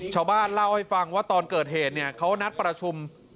ชาวบ้านเล่าให้ฟังว่าตอนเกิดเหตุเนี่ยเขานัดประชุม